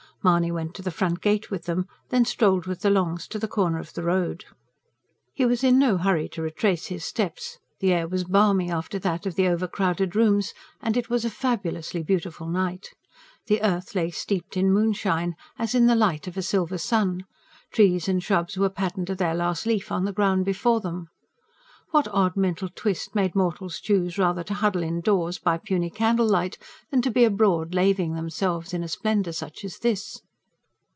Mahony went to the front gate with them; then strolled with the Longs to the corner of the road. He was in no hurry to retrace his steps. The air was balmy, after that of the overcrowded rooms, and it was a fabulously beautiful night. The earth lay steeped in moonshine, as in the light of a silver sun. Trees and shrubs were patterned to their last leaf on the ground before them. What odd mental twist made mortals choose rather to huddle indoors, by puny candle light, than to be abroad laving themselves in a splendour such as this?